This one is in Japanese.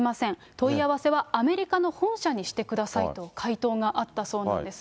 問い合わせはアメリカの本社にしてくださいと回答があったそうなんです。